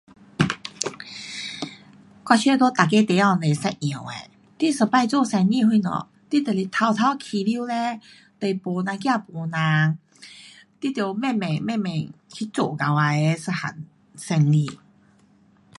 um 我觉得在每个地方都是一样的，你一次做生意什么，你就是头头开始嘞，都没，呐怕没人。你得慢慢，慢慢去做起来的一样生意。